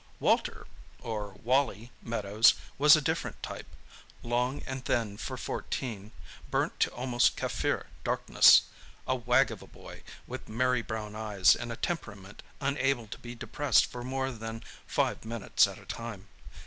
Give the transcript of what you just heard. Walter—or Wally—Meadows was a different type; long and thin for fourteen, burnt to almost Kaffir darkness; a wag of a boy, with merry brown eyes, and a temperament unable to be depressed for more than five minutes at a time.